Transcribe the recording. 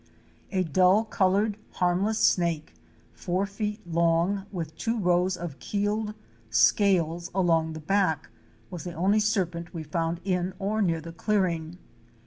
A dull colored, harmless snake, four feet long, with two rows of keeled scales along the back, was the only serpent we found in or near the clearing.